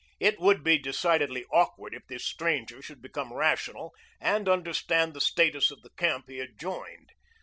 It would be decidedly awkward if this stranger should become rational and understand the status of the camp he had joined.